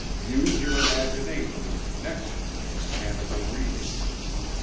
Use your imagination in connection with the mechanical reading.